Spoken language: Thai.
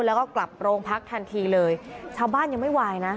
แล้วก็กลับโรงพักทันทีเลยชาวบ้านยังไม่วายนะ